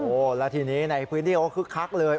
โอ้โหแล้วทีนี้ในพื้นที่เขาคึกคักเลย